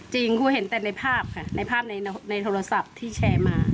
จริงครูเห็นแต่ในภาพค่ะในภาพในโทรศัพท์ที่แชร์มา